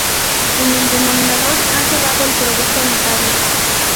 En el denominador ha quedado el producto notable.